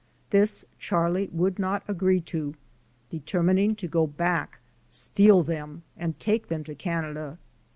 This Charlie would not agree to, determining to go back, steal them, and take them to Canada.